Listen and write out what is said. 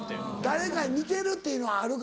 誰かに似てるっていうのはあるか。